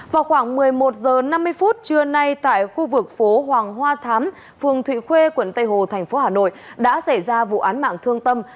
vào khoảng một mươi một h năm mươi phút trưa nay tại khu vực phố hoàng hoa thám phường thụy khuê quận tây hồ thành phố hà nội đã xảy ra vụ án mạng thương tâm